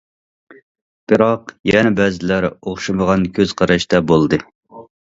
بىراق يەنە بەزىلەر ئوخشىمىغان كۆز قاراشتا بولدى.